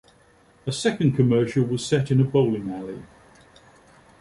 A second commercial was set in a bowling alley.